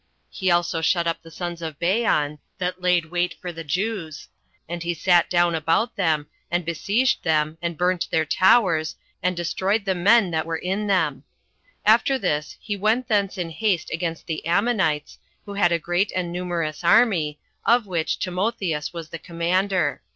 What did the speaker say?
He also shut up the sons of Bean, that laid wait for the Jews; and he sat down about them, and besieged them, and burnt their towers, and destroyed the men [that were in them]. After this he went thence in haste against the Ammonites, who had a great and a numerous army, of which Timotheus was the commander.